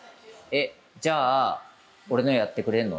じゃあ、俺のやってくれんの？